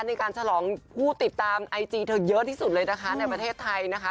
ฉลองผู้ติดตามไอจีเธอเยอะที่สุดเลยนะคะในประเทศไทยนะคะ